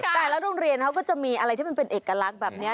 แต่ละโรงเรียนเขาก็จะมีอะไรที่มันเป็นเอกลักษณ์แบบนี้